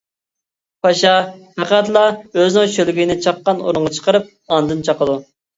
پاشا پەقەتلا ئۆزىنىڭ شۆلگىيىنى چاققان ئورۇنغا چىقىرىپ ئاندىن چاقىدۇ.